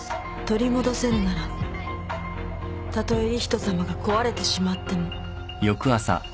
取り戻せるならたとえ理人さまが壊れてしまっても。